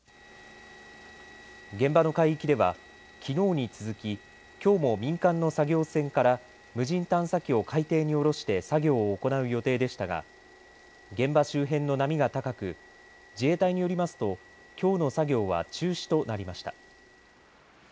現場の海域ではきのうに続ききょうも民間の作業船から無人探査機を海底に下ろして作業を行う予定でしたが現場周辺の波が高く自衛隊によりますときょうの作業は中止となりました。